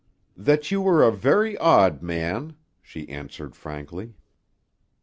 "That you were a very odd man," she answered frankly.